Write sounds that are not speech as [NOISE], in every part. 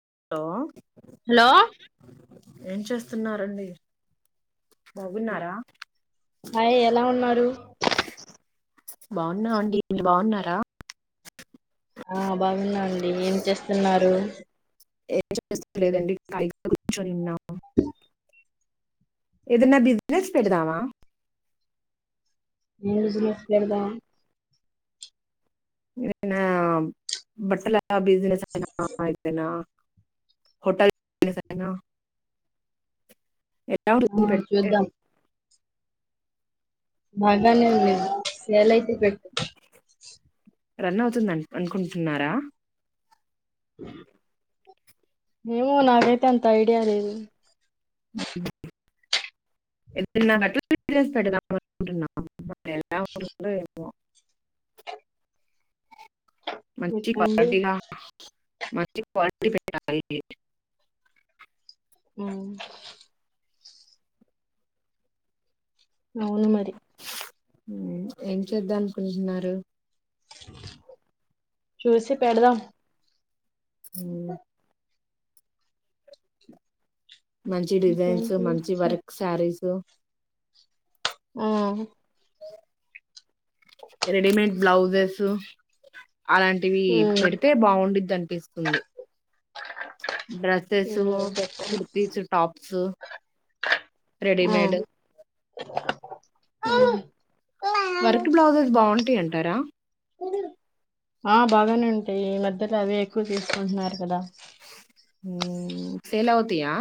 Hello hello ఏం చేస్తున్నారండి బాగున్నారా హాయ్ ఎలా ఉన్నారు బాగున్నా అండి మీరు బాగున్నారా ఆ బాగున్నా అండి ఏం చేస్తున్నారు ఏం చేస్తలేదండి ఖాళీగా కూర్చుని ఉన్నాం [INAUDIBLE] ఏదన్న బిసినెస్ పెడదావా ఏ బిజినెస్ పెడదాం ఏనా బట్టల బిజినెస్ అతేనా హోటల్ బిజినెస్ అయిన ఎలా [INAUDIBLE] ఆ చూద్దాం బాగానే ఉంటది సేల్ అయితే పెట్ట రన్ అవుతుంది అనుకుంటున్నారా ఏమో నాకైతే అంత ఐడియా లేదు [INAUDIBLE] మంచి పెట్టండి క్వాలిటీగా మంచి క్వాలిటీ పెట్టాలి ఉ అవును మరి ఏం చేద్దాం అనుకుంటున్నారు చూసి పెడదాం హ మంచి డిజైన్స్ ఇంకేంటి మంచి వర్క్ శారీస్ ఓ రెడిమేడ్ బ్లౌజెస్ అలాంటివి ఉమ్ పెడితే బావుండుద్ది అనిపిస్తుంది డ్రస్సెస్ ఉమ్ చెప్పండి కుర్తీస్ టాప్స్ ఉమ్, రెడీమేడ్ [UNINTELLIGIBLE] వర్క్ బ్లౌజెస్ బావుంటాయన్ టారా ఆ బాగానే ఉంటాయి ఈ మధ్యలో అవే ఎక్కువ తీసుకుంటున్నారు కదా ఊ ఉమ్ సేల్ అవుతయా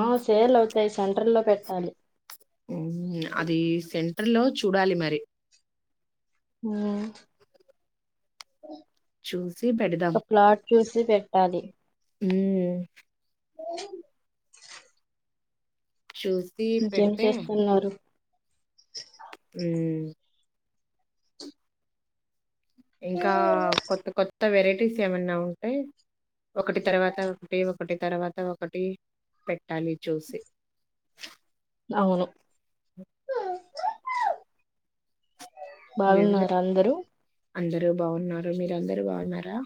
ఆ సేల్ అవుతాయి సెంటర్లో పెట్టాలి ఉమ్మ్ అది సెంటర్ లో చూడాలి మరి హ చూసి పెడదాం చూసి పెట్టాలి మ్మ్ చూసి ఇంకేం పెడితే చేస్తున్నారు ఊమ్మ్ ఇంకా కొత్త కొత్ త్త వెరైటీస్ ఏమన్నా ఉంటాయి ఒకటి తర్వాత ఒకటి ఒకటి తర్వాత ఒకటి పెట్ ట్టాలి చూసి అవును బిజినెస్ బాగున్నారా అందరూ అందరూ బావున్నారు మీరందరూ బావున్నారా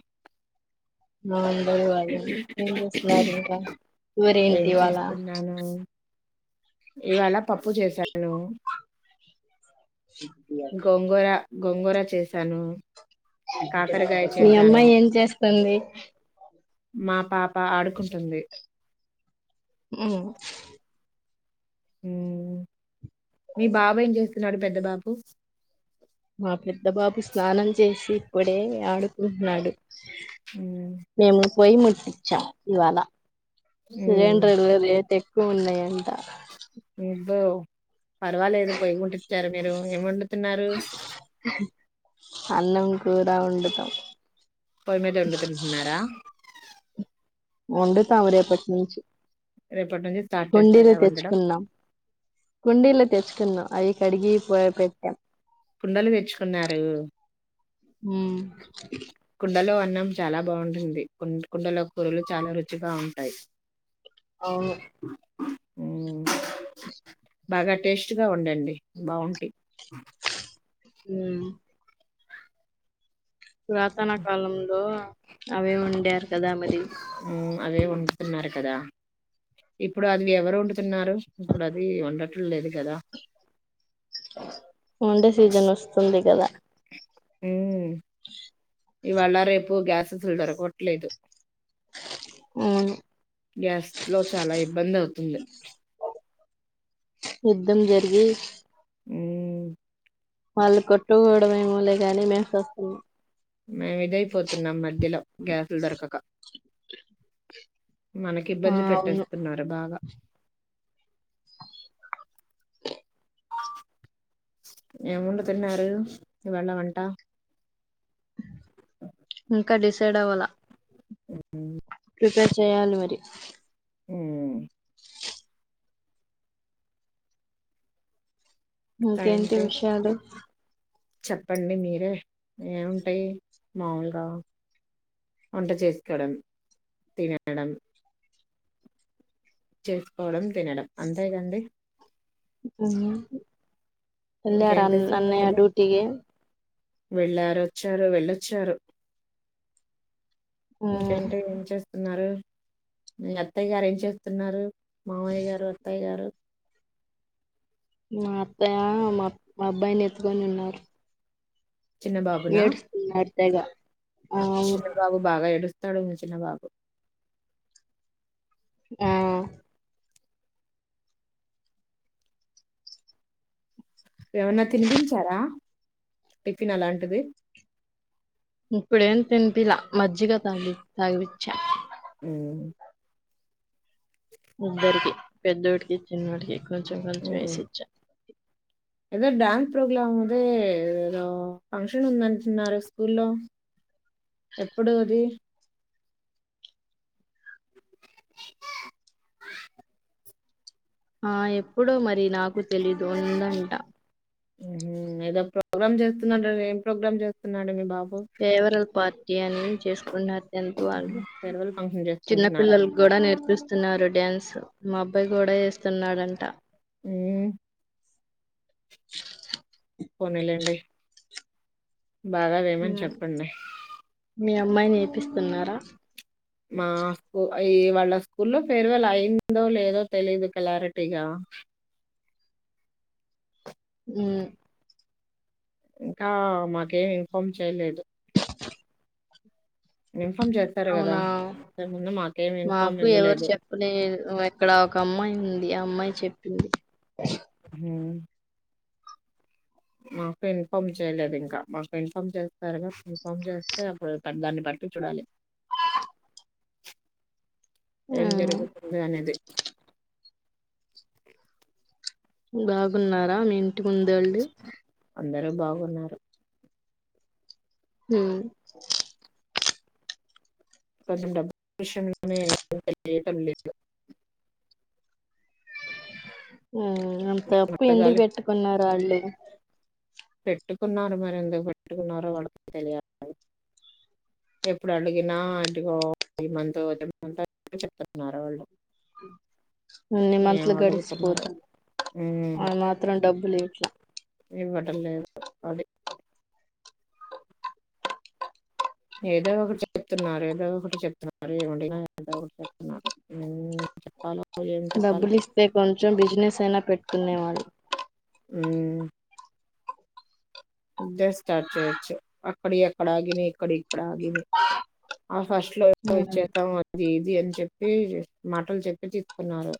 మాని [UNINTELLIGIBLE] వాళ్ళు ఏం చేస్తున్నారు ఇంకా ఏం కూరేంటి ఇవాళ చేస్తున్నాను ఇవాళ పప్పు చేశా [UNINTELLIGIBLE] షాపింగ్ యాక్ గోంగూర గోంగూర చేశాను కాకరకాయ మీ చేశాను అమ్మాయి ఏం చేస్తుంది మా పాప ఆడుకుంటుంది మ్మ్ అ మీ బాబా ఏం చేస్త నాడు పెద్ద బాబు మా పెద్ద బాబు స్నానం చేసి ఇప్పుడే ఆడుకుంటున్నాడు హ పోొ్యి ముట్టిచ్చా ఇవాళ సిలిండర్లుతే ల ఎంట ఇద పర్వాలేదు పొయ ముట్టిచ్చారు మీరు ఏం వండుతున్నారు అన్నం కూర ఉంతాం పొయి మీద వండుతుంటున్నారా వండితాంరేపట్ నుంచి రేపటి నుంచి స్టార్ట్ చేస్తార వండడం కుండీలో తెచ్చుకున్నాం అవి కడిగి పెట్టాం కుండలు తెచ్చుకున్నారు హ కుండలో అ న్నం చాలా బాగుంటుంది కు కుండల కూరలు చాలా రుచిగా ఉంటాయి అవును ఆ బాగా టేస్ట్ గా ఉండండి బాగుంటా హామ్ పురాతన కాలంలో అవే ఉండారు కదా మరి హ్మ్ అవే వండుతున్నారు కదా ఇప్పుడు అది ఎవరు వండుతున్నారు ఇప్పుడు అది వండటం లేదు కదా! వండే సీజన్ వస్తుంది కదా హ [UNINTELLIGIBLE] [INAUDIBLE] ఇవాళ రేపు గ్యాస్స్లిడర్ కొట్టలేదు అవును గ్యాస్ లో చాలా ఇబ్బంది అవుతుంది యుద్ధం జరిగి అవు వాళ్ళు కొట్టుకోవడం ఏమో లే ని మేము చూస్తున్నాం మేము ఇదైపోతున్నాం మీ జలో గ్యాసిలు తెరకక మనకి ఆ ఇబ్బంది అవును పెట్టేస్తున్నారు బాగా ఏమొండుతున్నారు ఇవాళ వంట ఇంకా డిసైడ్ అవ్వాల ఈ ప్రిపేర్ చెయాలి మరి ఉ ఇంకా ఇంకేంటి ఏంటి విషయాలు చెప్పండి మీరే ఏముంటాయి మాములుగా వంట చేసుకోవడం తినడం చేసుకోవడం తినడం అంతేగాండి ఉహూ ఎల్లారా ఇంకేంటి అన్నయ డ్యూటీకి వెళ్ళారొచ్చారు వెళ్ళొచ్చారు ఉమ్ ఇంకేంటి ఏం చేస్త స్తున్నారు అత్తయ్య గారు ఏం చేస్తున్నారు మామయ్య గారు అత్తాయ్య గారు మా అత్తాయ మా మా అబ్బాయిని ఎత్తుకొని ఉన్నారు ఏడుస్తున్నాడు జగా చిన బాబు బాగా ఏడు తడు చిన్న బాబు ఆ ఏమన్నా తినిపించారా టిఫిన్ అలాంటిది ఇప్పుడేం తినిపిలా మజ్జిగ తాగి తాగిపిచా ఉ ఇద్దరికి పెద్దోడికి చిన్నడికి కొంచెం కొంచెం ఉమ్. ఏసిచ్చ ఏదో డ్యాన్స్ ప్రోగ్రామ్ అదే ఏదో ఫంక్షన్ ఉందంటున్నారు స్కూ లో ఎప్పుడు అది ఆ ఎప్పుడో మరి నాకు తెలీదు ఉందంట ఉహూ ఏదో ప్రోగ్రామ్ జేస్తున్నాడు ఏం ప్రోగ్రామ్ చేస్తున్నాడు మీ బాబు ఫేవరల్ పార్ ఏ చేసుకున్నారు ఎందుకు వాళ్ళు ఫేర్వెల్ ఫంక్షన్ చిన్న చేసుకుంటున్నారా పిల్లలు కూడా నేర్పిస్తు వస్తున్నారు డ్యాన్స్ మా అబ్బాయి కూడా వస్తున్నాడంట ఏ పోనీలెండి బాగావేమని మ్మ్ చెప్పండి మీ అమ్మాయిని ఏపిస్తున్నారా మా స్కూ ఈ వాళ్ళ స్కూల్లో ఫేర్వెల్ అయిందో లేదో తెలీదు క్లారిటీగా ఉ ఇంకా మాకేం ఇన్ఫార్మ్ చేయలేదు ఇన్ఫార్మ్ చేస్తారు కదా అవునా ముందు మాకేం ఇన్ఫార్మ్ మాకు ఎవరు ఇవ్వలేదు చెప్పలేదు ఎక్కడ ఒక అమ్మాయి ఉంది ఆ అమ్మాయి చెప్పింది మ్ మాకు ఇన్ఫామ్ చేయలేదు ఇంకా మాకు ఇన్ఫామ్ చేస్తారు ఇన్ఫామ్ చేస్తే అప్పుడు దాన్ని బట్టి చూడాలి ఏం మ్మ్ జరుగుతుంది అనేది బాగున్నారా మీ ఇంటి ముందేళ్ళు అందరు బాగున్నారు మ్ కొంచం [UNINTELLIGIBLE] లేదు అ అంత అప్పు ఎందుకు అడగాలి పెట్టుకున్నారు వాళ్ళు పెట్టుకున్నారు మర ఎందుకు పెట్టుకున్నారో వాళ్ళ తెలియాల, ఎప్పుడు అడిగినా అటుకో పది మంది వది మంది చెప్న్నారు వాళ్ళు న్ని ఏం మంతలు అడుగుతున్నారు గడిసిపోతాం అ మాత్రం డబ్ [UNINTELLIGIBLE] ఇవ్వడం లేదు అది ఏదో ఒకటి చెప్తున్నారు ఏదో ఒకటి చెప్తున్నారు ఏ ఏదో ఒకటి చెప్తున్నారు మ్ చెప్పలో డబ్బులు ఇస్తే కొంచెం బిజినెస్ అయినా పెట్ తిన్నే మాది మ్ స్టార్ట్ చేయిచ్చు అక్కడి అక్కడగిన ఇక్కడి అక్కడ ఆగి ఆ ఫస్ట్ లో హ్మ్. చేస్తాం అది ఇది అని చెప్ ప మాటలు చెప్పి తీసుకున్నారు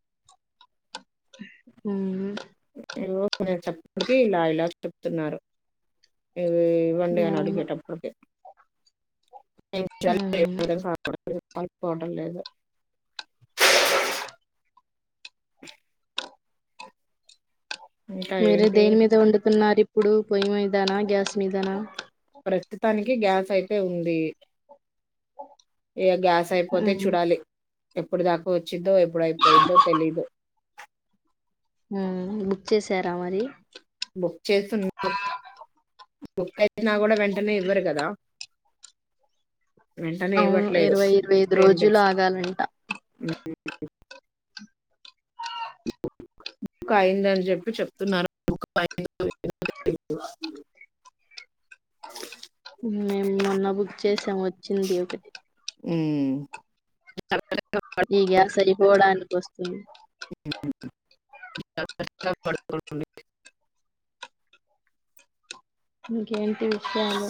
హ ఏవో నను చెప్పటికి ఇలా ఇలా చెప్తున్నారు ఇవ్వండి అన అడి అవును కేటప్పుడుక హ్మ్. కోవడం లేదు ఇంకా మీరు ఏంటి దేని మీద వండుతున్నారు ఇప్పుడు పొయ్యి మీదనా గ్యాస్ మీదనా ప్రస్తుతానికి గ్యాస్ అయితే ఉంది ఇక గ్యాస్ అయిపోతే హ్మ్. చూడాలి ఎప్పుడు దాకా వచ్చిందో అప్పుడయిపోయిందో తెలీదు బుక్ చేసారా మరి బుక్ చేస్తున్నా బుక్ అయిిన కూడా వెంట వెంటనే ఇవ్వరు కదా వెంటనే అవును ఇవ్వట్లేదు ఇరవై ఇరవై ఐదు టెన్ రోజులు డేస్ ఆగాలంట అయిందని చెప్పి చెప్తున్నారు మేము మొన్న బుక్ చేసాం వచ్చింది ఒకటి ఉమ్ జాగ్రత్తగా ఈగ సరి పోవడానికి వస్తుంది [UNINTELLIGIBLE] [UNINTELLIGIBLE] ఇకేంటి చాలా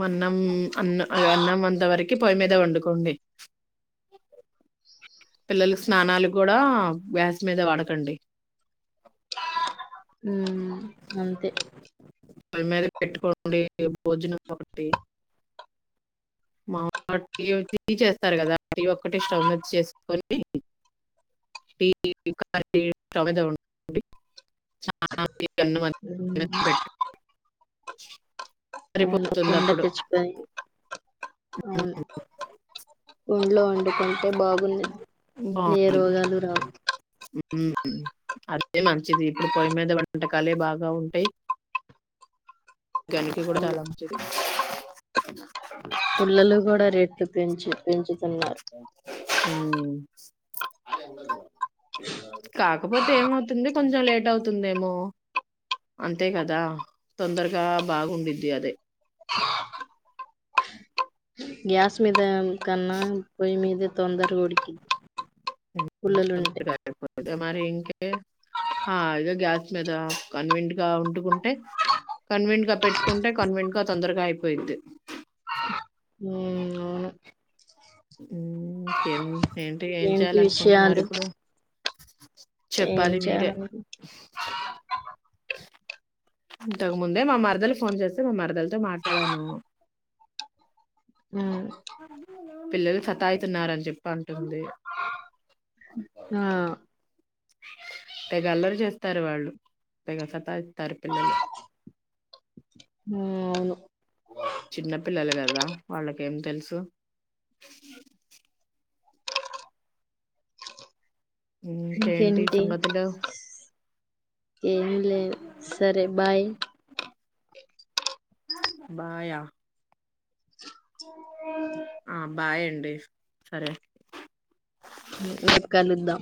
మన్నం అన్న అన్నం అంత వరకి పొయ్యి మీద వండుకోండి పిల్లలకి స్నానాలు కూడా వ్యాస్ మీద వాడకండి. ఉ అంతే పోయి మీద పెట్టుకోండి భోజనం ఒకటి మా టీ టీ చేస్తారు కదా టీ ఒక్కటి స్టవ్ మీద చేసుకొని టీ క స్టవ్ మీద ఉమ్, [UNINTELLIGIBLE] రిపో అవును కుండ తెచ్చుకొని ఊర్లో వండుకుంటే బాగుంది ఏ బాగుంటుంది రొగాలు రావు అదే మంచిది ఇప్పుడు పొయ్యి మీద వంటకాలే బాగా ఉంటాయి ఆరోగ్యానికి కూడా అవును చాలా మంచిది. పుల్లలు కూడా రే పెంచి పెంచుతున్నారు ఆ కాకపోతే ఏమవుతుంది కొంచెం లేట్ అవుతుందే మో అంతే కదా తొందరగా బాగుండిద్ది అదే. గ్యాస్ మీద కన్నా పొయ్యి మీద తొందరగా ఉడికి [UNINTELLIGIBLE] మరి ఇంకే [UNINTELLIGIBLE] ఆఇదో గ్యాస్ మీద కన్వీంట్ గా ఉంటుకుంటే కన్వీంట్ గా పెట్టుకుంటే కన్వీంట్ గా తొందరగా అయిపోయిద్ది. ఉ అవును ఇంకేం ఏంటి ఏం ఇంకేంటి చేయాల అనుకుంటున్నారు విషయాలు ఇప్పుడు. ఏం చెప్పాలి మీరే చేయాలి ఇంతకుముందే మా మరదలు ఫోన్ చేస్తే మా మరదలతో మాట్లాడాను. ఉ పిల్లలు సత్తా యిత్తన్నారని చెప్ప. అంటుంది ఆ తెగ అల్లరి చేస్తారు వాళ్ళు తెగ సత్తాయి. ఊ అవును చిన్న పిల్లలు కదా వాళ్ళకేం తెలుసు ఇంకేంటి ఏం లేదు సరే బాయ్ బాయా ఉమ్ బాయ్ అండి సరే. [UNINTELLIGIBLE] రేపు కలుద్దాం.